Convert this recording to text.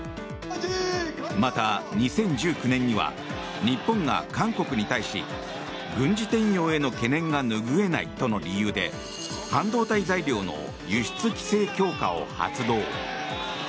また、２０１９年には日本が韓国に対し軍事転用への懸念が拭えないとの理由で半導体材料の輸出規制強化を発動。